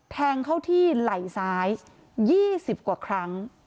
แทงเข้าที่ไหล่ซ้าย๒๐กว่าครั้ง